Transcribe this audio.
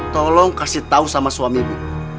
tolong kasih tahu sama suami ibu